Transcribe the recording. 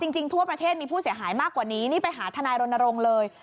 ทั่วประเทศมีผู้เสียหายมากกว่านี้นี่ไปหาทนายรณรงค์เลย